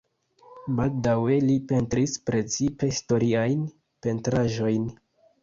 Baldaŭe li pentris precipe historiajn pentraĵojn.